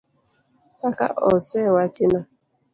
Kaka osewachi no.